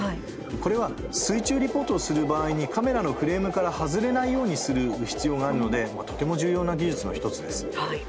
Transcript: これは水中リポートをする場合にカメラのフレームから外れないようにする必要があるのでとても重要な技術の１つです。